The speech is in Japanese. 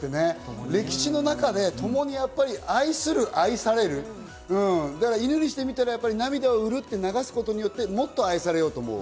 歴史の中でともに愛する、愛される、犬にしてみたら涙をうるっと流すことによってもっと愛されようと思う。